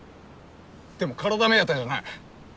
でも体目当てじゃない。